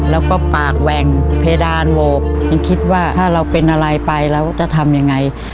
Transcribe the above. แล้วก็ปากแหว่งเพดานโหวกยังคิดว่าถ้าเราเป็นอะไรไปแล้วจะทำยังไง